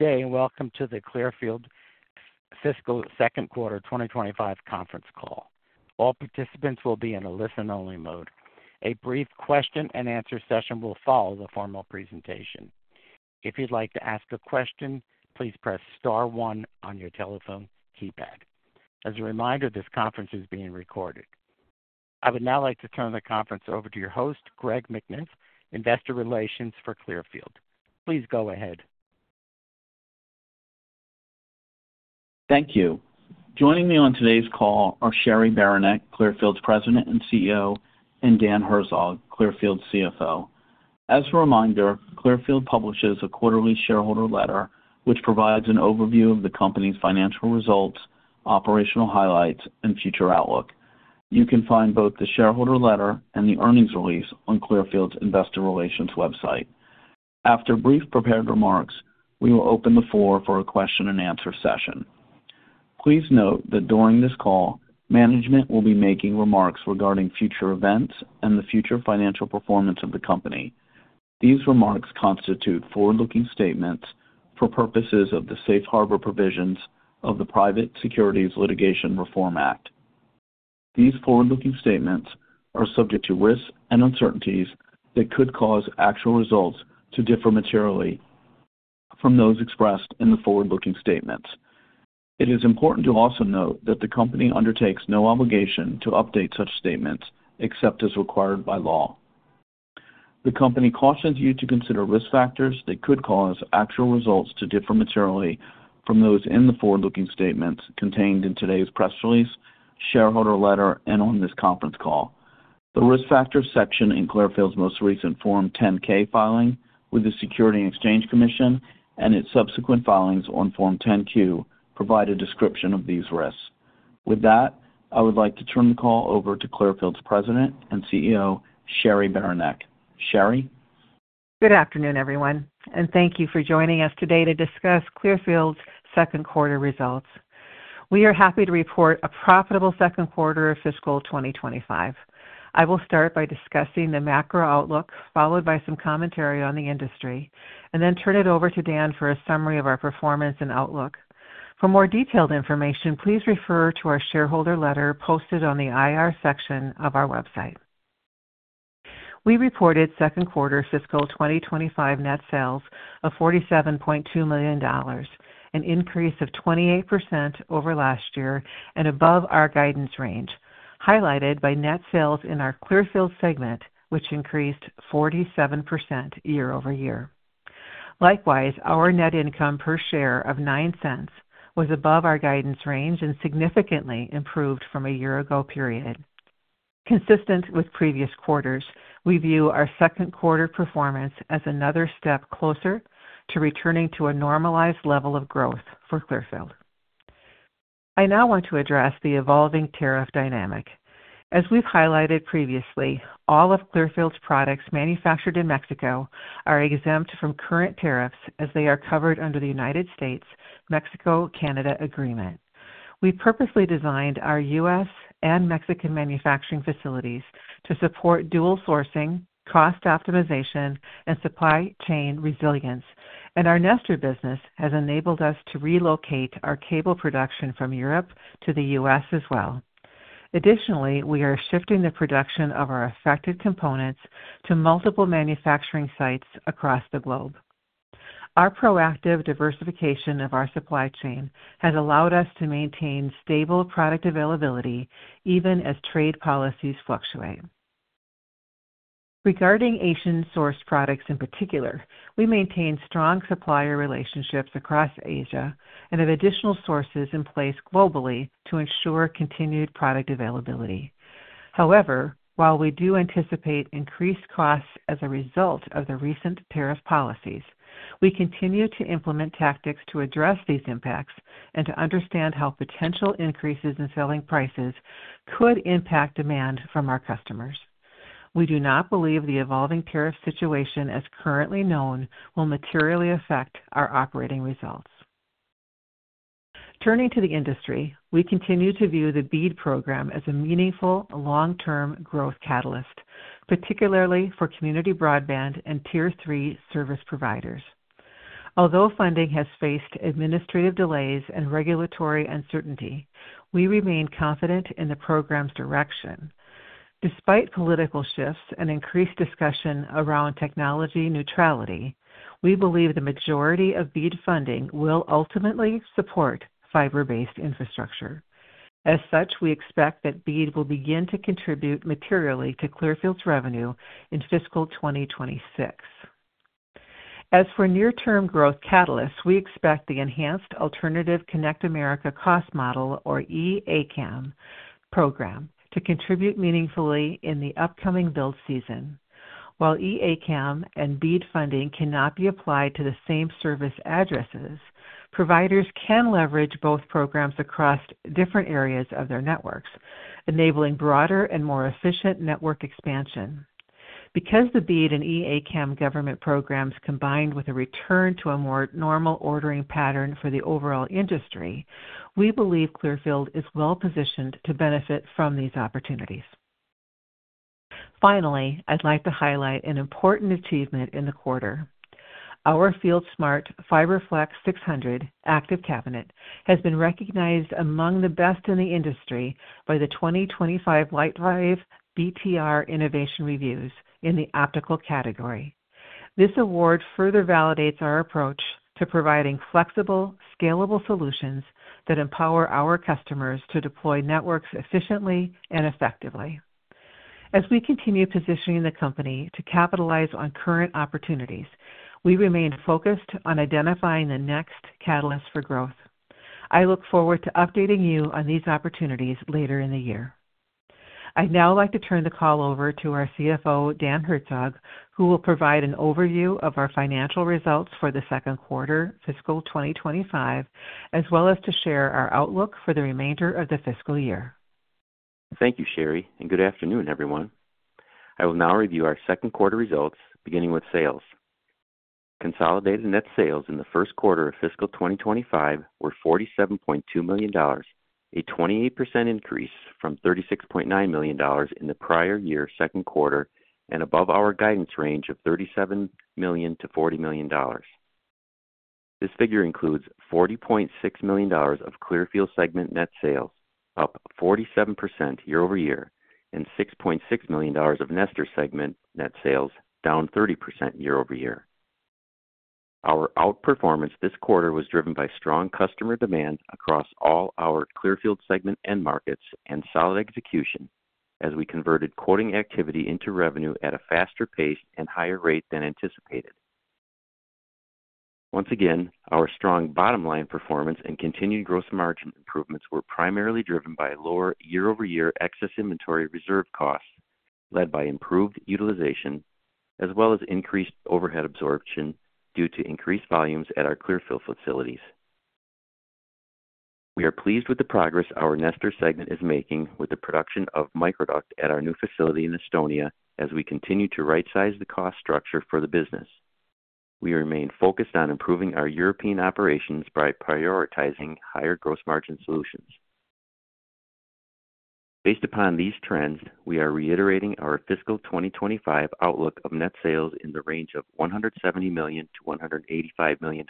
Good day and welcome to the Clearfield Fiscal Second Quarter 2025 conference call. All participants will be in a listen-only mode. A brief question-and-answer session will follow the formal presentation. If you'd like to ask a question, please press star one on your telephone keypad. As a reminder, this conference is being recorded. I would now like to turn the conference over to your host, Greg McNiff, Investor Relations for Clearfield. Please go ahead. Thank you. Joining me on today's call are Cheri Beranek, Clearfield's President and CEO, and Dan Herzog, Clearfield's CFO. As a reminder, Clearfield publishes a quarterly shareholder letter which provides an overview of the company's financial results, operational highlights, and future outlook. You can find both the shareholder letter and the earnings release on Clearfield's Investor Relations website. After brief prepared remarks, we will open the floor for a question-and-answer session. Please note that during this call, management will be making remarks regarding future events and the future financial performance of the company. These remarks constitute forward-looking statements for purposes of the safe harbor provisions of the Private Securities Litigation Reform Act. These forward-looking statements are subject to risks and uncertainties that could cause actual results to differ materially from those expressed in the forward-looking statements. It is important to also note that the company undertakes no obligation to update such statements except as required by law. The company cautions you to consider risk factors that could cause actual results to differ materially from those in the forward-looking statements contained in today's press release, shareholder letter, and on this conference call. The risk factors section in Clearfield's most recent Form 10-K filing with the Securities and Exchange Commission and its subsequent filings on Form 10-Q provide a description of these risks. With that, I would like to turn the call over to Clearfield's President and CEO, Cheri Beranek. Cheri. Good afternoon, everyone, and thank you for joining us today to discuss Clearfield's second quarter results. We are happy to report a profitable second quarter of fiscal 2025. I will start by discussing the macro outlook, followed by some commentary on the industry, and then turn it over to Dan for a summary of our performance and outlook. For more detailed information, please refer to our shareholder letter posted on the IR section of our website. We reported second quarter fiscal 2025 net sales of $47.2 million, an increase of 28% over last year and above our guidance range, highlighted by net sales in our Clearfield segment, which increased 47% year over year. Likewise, our net income per share of $0.09 was above our guidance range and significantly improved from a year-ago period. Consistent with previous quarters, we view our second quarter performance as another step closer to returning to a normalized level of growth for Clearfield. I now want to address the evolving tariff dynamic. As we've highlighted previously, all of Clearfield's products manufactured in Mexico are exempt from current tariffs as they are covered under the United States-Mexico-Canada agreement. We purposely designed our U.S. and Mexican manufacturing facilities to support dual sourcing, cost optimization, and supply chain resilience, and our Nestor business has enabled us to relocate our cable production from Europe to the U.S. as well. Additionally, we are shifting the production of our affected components to multiple manufacturing sites across the globe. Our proactive diversification of our supply chain has allowed us to maintain stable product availability even as trade policies fluctuate. Regarding Asian-sourced products in particular, we maintain strong supplier relationships across Asia and have additional sources in place globally to ensure continued product availability. However, while we do anticipate increased costs as a result of the recent tariff policies, we continue to implement tactics to address these impacts and to understand how potential increases in selling prices could impact demand from our customers. We do not believe the evolving tariff situation as currently known will materially affect our operating results. Turning to the industry, we continue to view the BEAD program as a meaningful long-term growth catalyst, particularly for community broadband and tier three service providers. Although funding has faced administrative delays and regulatory uncertainty, we remain confident in the program's direction. Despite political shifts and increased discussion around technology neutrality, we believe the majority of BEAD funding will ultimately support fiber-based infrastructure. As such, we expect that BEAD will begin to contribute materially to Clearfield's revenue in fiscal 2026. As for near-term growth catalysts, we expect the enhanced Alternative Connect America Cost Model, or EACAM, program to contribute meaningfully in the upcoming build season. While EACAM and BEAD funding cannot be applied to the same service addresses, providers can leverage both programs across different areas of their networks, enabling broader and more efficient network expansion. Because the BEAD and EACAM government programs combine with a return to a more normal ordering pattern for the overall industry, we believe Clearfield is well-positioned to benefit from these opportunities. Finally, I'd like to highlight an important achievement in the quarter. Our FieldSmart FiberFlex 600 active cabinet has been recognized among the best in the industry by the 2025 Lightwave BTR Innovation Reviews in the optical category. This award further validates our approach to providing flexible, scalable solutions that empower our customers to deploy networks efficiently and effectively. As we continue positioning the company to capitalize on current opportunities, we remain focused on identifying the next catalyst for growth. I look forward to updating you on these opportunities later in the year. I'd now like to turn the call over to our CFO, Dan Herzog, who will provide an overview of our financial results for the second quarter, fiscal 2025, as well as to share our outlook for the remainder of the fiscal year. Thank you, Cheri, and good afternoon, everyone. I will now review our second quarter results, beginning with sales. Consolidated net sales in the first quarter of fiscal 2025 were $47.2 million, a 28% increase from $36.9 million in the prior year's second quarter and above our guidance range of $37 million-$40 million. This figure includes $40.6 million of Clearfield segment net sales, up 47% year over year, and $6.6 million of Nestor segment net sales, down 30% year over year. Our outperformance this quarter was driven by strong customer demand across all our Clearfield segment end markets and solid execution as we converted quoting activity into revenue at a faster pace and higher rate than anticipated. Once again, our strong bottom-line performance and continued gross margin improvements were primarily driven by lower year-over-year excess inventory reserve costs led by improved utilization, as well as increased overhead absorption due to increased volumes at our Clearfield facilities. We are pleased with the progress our Nestor segment is making with the production of microduct at our new facility in Estonia as we continue to right-size the cost structure for the business. We remain focused on improving our European operations by prioritizing higher gross margin solutions. Based upon these trends, we are reiterating our fiscal 2025 outlook of net sales in the range of $170 million-$185 million.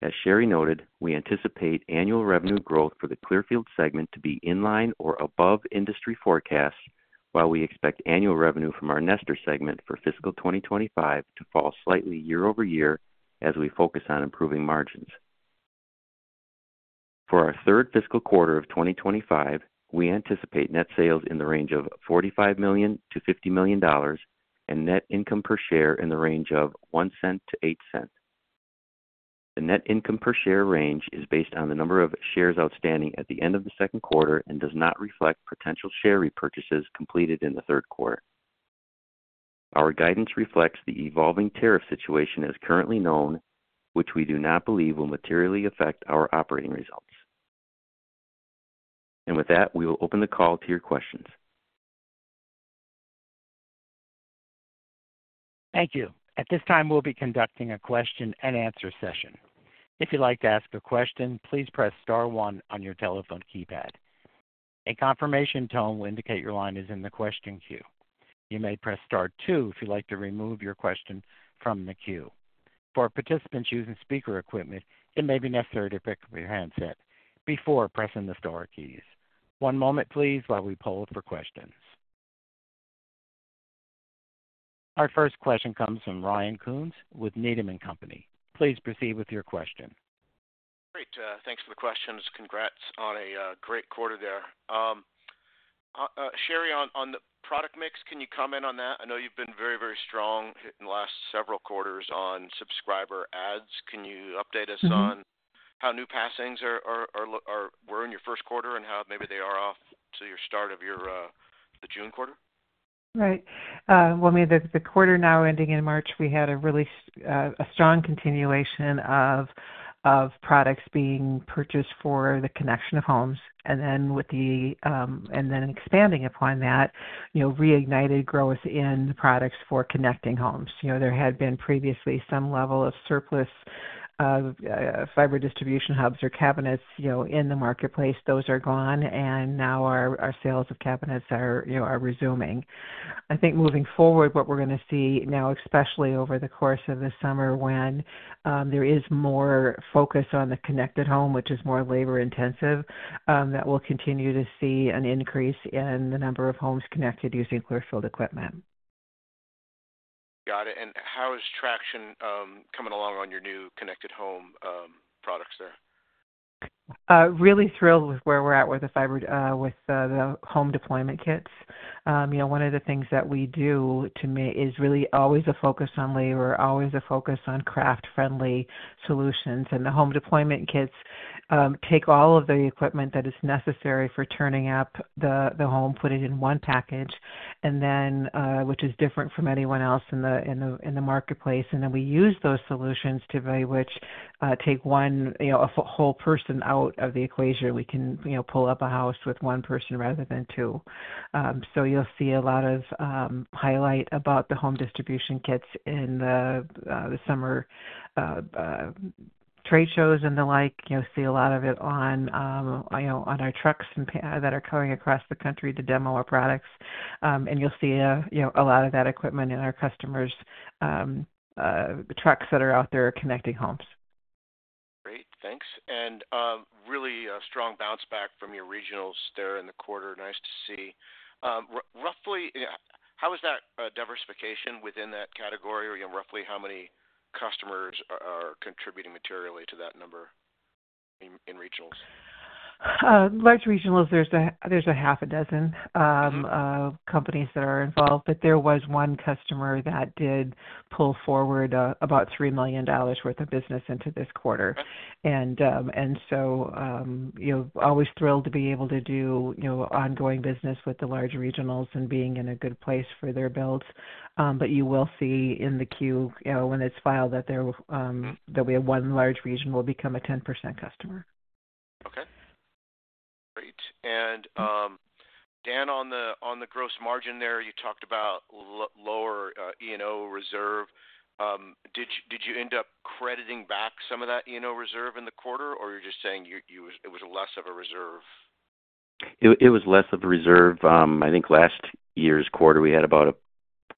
As Cheri noted, we anticipate annual revenue growth for the Clearfield segment to be in line or above industry forecasts, while we expect annual revenue from our Nestor segment for fiscal 2025 to fall slightly year over year as we focus on improving margins. For our third fiscal quarter of 2025, we anticipate net sales in the range of $45 million-$50 million and net income per share in the range of $0.01-$0.08. The net income per share range is based on the number of shares outstanding at the end of the second quarter and does not reflect potential share repurchases completed in the third quarter. Our guidance reflects the evolving tariff situation as currently known, which we do not believe will materially affect our operating results. With that, we will open the call to your questions. Thank you. At this time, we'll be conducting a question-and-answer session. If you'd like to ask a question, please press star one on your telephone keypad. A confirmation tone will indicate your line is in the question queue. You may press star two if you'd like to remove your question from the queue. For participants using speaker equipment, it may be necessary to pick up your handset before pressing the star keys. One moment, please, while we poll for questions. Our first question comes from Ryan Coons with Needham & Company. Please proceed with your question. Great. Thanks for the questions. Congrats on a great quarter there. Cheri, on the product mix, can you comment on that? I know you've been very, very strong in the last several quarters on subscriber adds. Can you update us on how new passings were in your first quarter and how maybe they are off to your start of the June quarter? Right. I mean, the quarter now ending in March, we had a really strong continuation of products being purchased for the connection of homes. And then, expanding upon that, reignited growth in the products for connecting homes. There had been previously some level of surplus fiber distribution hubs or cabinets in the marketplace. Those are gone, and now our sales of cabinets are resuming. I think moving forward, what we're going to see now, especially over the course of the summer when there is more focus on the connected home, which is more labor-intensive, that we'll continue to see an increase in the number of homes connected using Clearfield equipment. Got it. How is traction coming along on your new connected home products there? Really thrilled with where we're at with the home deployment kits. One of the things that we do is really always a focus on labor, always a focus on craft-friendly solutions. The home deployment kits take all of the equipment that is necessary for turning up the home, put it in one package, which is different from anyone else in the marketplace. We use those solutions to, by which, take one whole person out of the equation. We can pull up a house with one person rather than two. You will see a lot of highlight about the home deployment kits in the summer trade shows and the like. You will see a lot of it on our trucks that are going across the country to demo our products. You will see a lot of that equipment in our customers' trucks that are out there connecting homes. Great. Thanks. Really strong bounce back from your regionals there in the quarter. Nice to see. Roughly, how is that diversification within that category? Roughly, how many customers are contributing materially to that number in regionals? Large regionals, there's a half a dozen companies that are involved, but there was one customer that did pull forward about $3 million worth of business into this quarter. Always thrilled to be able to do ongoing business with the large regionals and being in a good place for their builds. You will see in the queue when it's filed that we have one large regional become a 10% customer. Okay. Great. Dan, on the gross margin there, you talked about lower E&O reserve. Did you end up crediting back some of that E&O reserve in the quarter, or you're just saying it was less of a reserve? It was less of a reserve. I think last year's quarter, we had about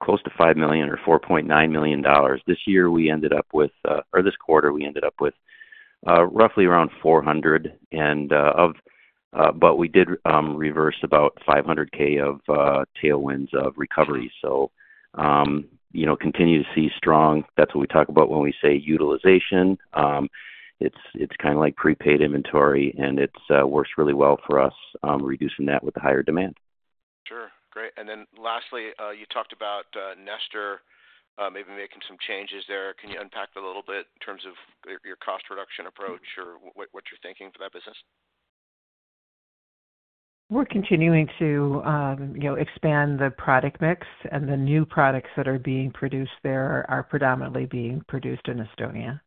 close to $5 million or $4.9 million. This year, we ended up with, or this quarter, we ended up with roughly around $400,000, but we did reverse about $500,000 of tailwinds of recovery. Continue to see strong—that's what we talk about when we say utilization. It's kind of like prepaid inventory, and it works really well for us reducing that with the higher demand. Sure. Great. Lastly, you talked about Nestor maybe making some changes there. Can you unpack that a little bit in terms of your cost reduction approach or what you're thinking for that business? We're continuing to expand the product mix, and the new products that are being produced there are predominantly being produced in Estonia.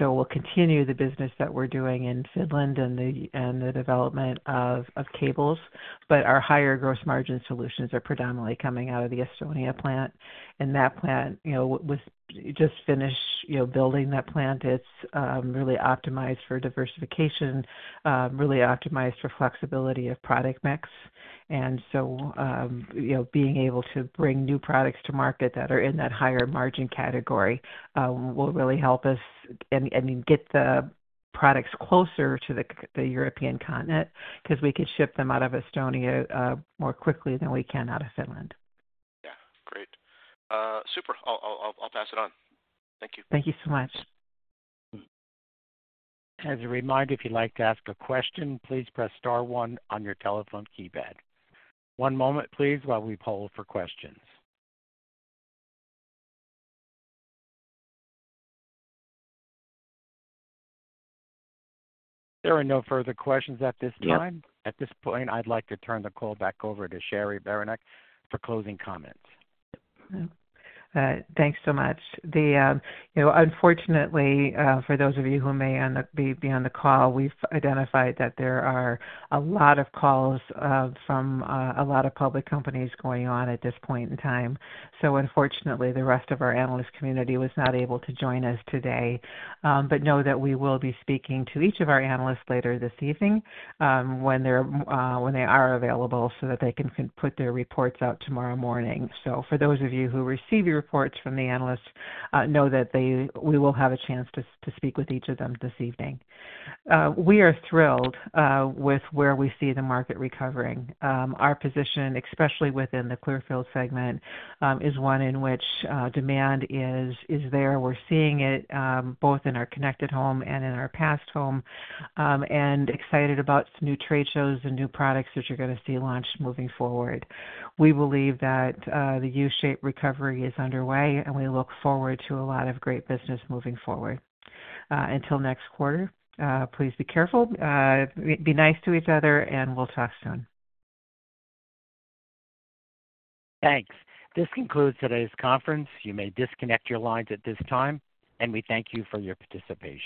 We'll continue the business that we're doing in Finland and the development of cables, but our higher gross margin solutions are predominantly coming out of the Estonia plant. That plant was just finished building that plant. It's really optimized for diversification, really optimized for flexibility of product mix. Being able to bring new products to market that are in that higher margin category will really help us, I mean, get the products closer to the European continent because we can ship them out of Estonia more quickly than we can out of Finland. Yeah. Great. Super. I'll pass it on. Thank you. Thank you so much. As a reminder, if you'd like to ask a question, please press star one on your telephone keypad. One moment, please, while we poll for questions. There are no further questions at this time. At this point, I'd like to turn the call back over to Cheri Beranek for closing comments. Thanks so much. Unfortunately, for those of you who may end up be on the call, we've identified that there are a lot of calls from a lot of public companies going on at this point in time. Unfortunately, the rest of our analyst community was not able to join us today, but know that we will be speaking to each of our analysts later this evening when they are available so that they can put their reports out tomorrow morning. For those of you who receive your reports from the analysts, know that we will have a chance to speak with each of them this evening. We are thrilled with where we see the market recovering. Our position, especially within the Clearfield segment, is one in which demand is there. We're seeing it both in our connected home and in our past home, and excited about new trade shows and new products that you're going to see launched moving forward. We believe that the U-shaped recovery is underway, and we look forward to a lot of great business moving forward. Until next quarter, please be careful, be nice to each other, and we'll talk soon. Thanks. This concludes today's conference. You may disconnect your lines at this time, and we thank you for your participation.